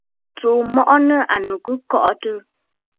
Tsùu mɔʼɔ nɨ̂ ànnù kɨ kɔʼɔtə̂.